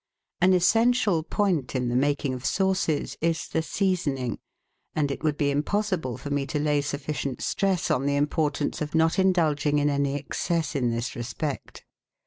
An essential point in the making of sauces is the seasoning, and it would be impossible for me to lay sufficient stress on the importance of not indulging in any excess in this respect.